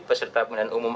peserta pemilihan umum